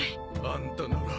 あんたなら。